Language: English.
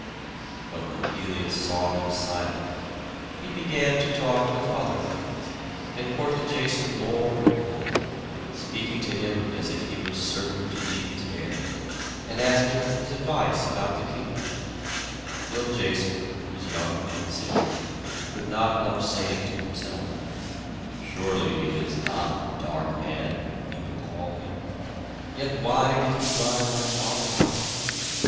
But when Pelias saw him silent, he began to talk of other things, and courted Jason more and more, speaking to him as if he was certain to be his heir, and asking his advice about the kingdom; till Jason who was young and simple, could not help saying to himself, "Surely he is not the dark man whom people call him. Yet why did he drive my father out?"